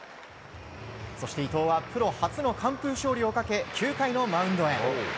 そして、伊藤はプロ初の完封勝利をかけ９回のマウンドへ。